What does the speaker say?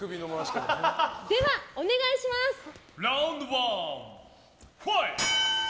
ラウンドワンファイト！